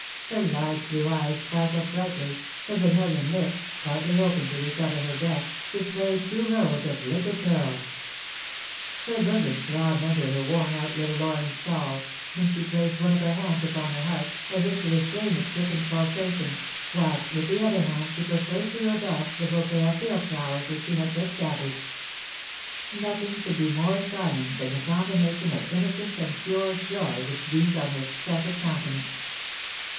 Her large blue eyes sparkled brightly, her vermilion lips, partly opened to recover her breath, displayed two rows of liquid pearls; her bosom throbbed under her worn out little orange shawl, and she placed one of her hands upon her heart, as if to restrain its quickened pulsation, whilst with the other hand she proffered to Rodolph the bouquet of field flowers which she had just gathered. Nothing could be more charming than the combination of innocence and pure joy which beamed on her expressive countenance.